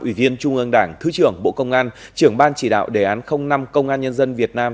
ủy viên trung ương đảng thứ trưởng bộ công an trưởng ban chỉ đạo đề án năm công an nhân dân việt nam